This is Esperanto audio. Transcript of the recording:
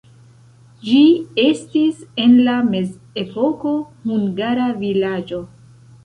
Ĝi estis en la mezepoko hungara vilaĝo.